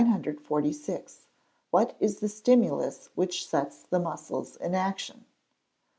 _What is the stimulus which sets the muscles in action?